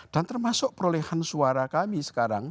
dan termasuk perolehan suara kami sekarang